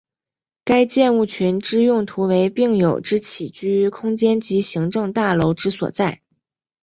该建物群之用途为病友之起居空间及行政大楼之所在。